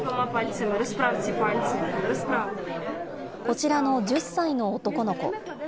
こちらの１０歳の男の子。